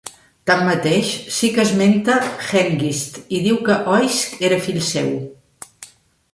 Tanmateix, sí que esmenta Hengist i diu que Oisc era fill seu.